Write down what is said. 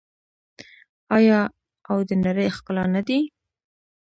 آیا او د نړۍ ښکلا نه دي؟